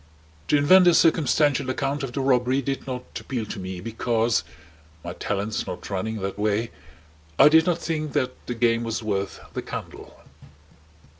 To invent a circumstantial account of the robbery did not appeal to me, because my talents not running that way I did not think that the game was worth the candle.